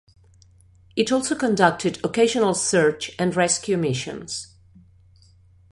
It also conducted occasional search and rescue missions.